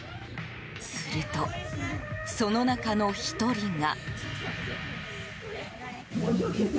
すると、その中の１人が。